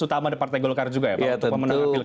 utama dari partai golkar juga ya pak untuk pemenangan pilpres